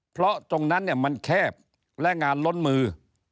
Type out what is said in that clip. เพราะตรงนั้นมันแคบและงานล้นมือ